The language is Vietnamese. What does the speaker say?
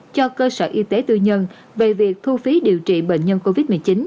cho cơ sở y tế tư nhân về việc thu phí điều trị bệnh nhân covid một mươi chín